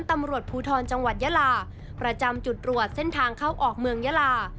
ตำรวจภูทรจังหวัดยาลาประจำจุดตรวจเส้นทางเข้าออกเมืองยาลา